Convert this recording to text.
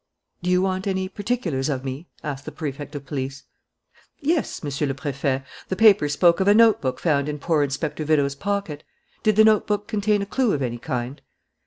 "Do you want any particulars of me?" asked the Prefect of Police. "Yes, Monsieur le Préfet. The papers spoke of a notebook found in poor Inspector Vérot's pocket. Did the notebook contain a clue of any kind?"